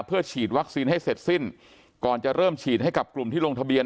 เพื่อฉีดวัคซีนให้เสร็จสิ้นก่อนจะเริ่มฉีดให้กับกลุ่มที่ลงทะเบียน